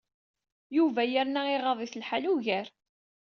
Yuba yerna iɣaḍ-it lḥal ugar.